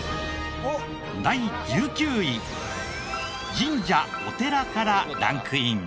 第１９位神社・お寺からランクイン。